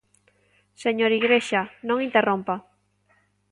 Señor Igrexa, non interrompa.